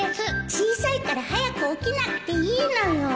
小さいから早く起きなくていいのよ